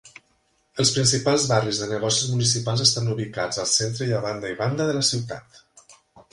Els principals barris de negocis municipals estan ubicats al centre i a banda i banda de la ciutat.